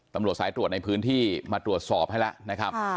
ตำรวจสายตรวจในพื้นที่มาตรวจสอบให้แล้วนะครับ